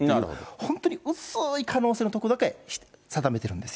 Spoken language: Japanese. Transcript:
本当に薄い可能性のところだけ定めてるんですよ。